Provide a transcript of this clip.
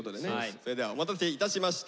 それではお待たせいたしました。